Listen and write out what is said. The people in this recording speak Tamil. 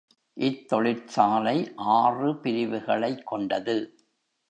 இத்தொழிற்சாலை ஆறு பிரிவுகளைக் கொண்டது.